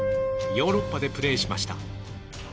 ヨーロッパでプレーしました。